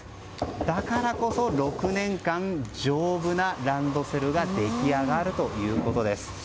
だからこそ、６年間丈夫なランドセルが出来上がるということです。